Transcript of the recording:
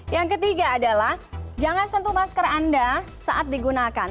yang ketiga adalah jangan sentuh masker anda saat digunakan